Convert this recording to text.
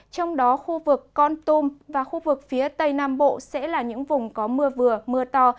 trong đó khu vực con tum và khu vực phía tây nam bộ sẽ là những vùng có mưa vừa mưa to